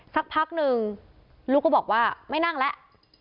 สักพักหนึ่งลูกก็บอกว่าไม่นั่งแล้ว